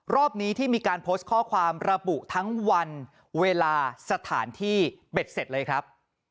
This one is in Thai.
รอบนี้ที่มีการโพสต์ข้อความระบุทั้งวันเวลาสถานที่เบ็ดเสร็จเลยครับ